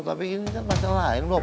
tapi ini kan pacar lain bob